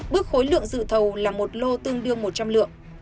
bước khối lượng dự thầu là một lô tương đương một trăm linh lượng